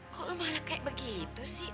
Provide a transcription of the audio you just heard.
kok lo malah kaya begitu sih